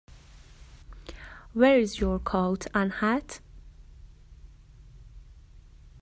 Where's your coat and hat?